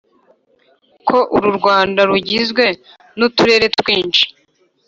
ko uru rwanda rugizwe n'uturere twinshi,